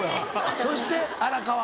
そして荒川。